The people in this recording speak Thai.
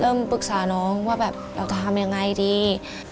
ปรึกษาน้องว่าแบบเราจะทำยังไงดี